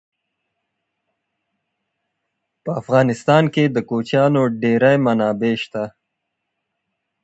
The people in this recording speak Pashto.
په افغانستان کې د کوچیانو ډېرې منابع شته.